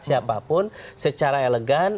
siapapun secara elegan